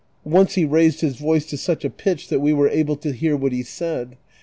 But once he raised his voice to such a pitch that we were able to hear what he said.